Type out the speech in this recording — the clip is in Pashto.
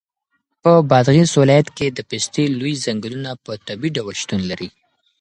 په بادغیس ولایت کې د پستې لوی ځنګلونه په طبیعي ډول شتون لري.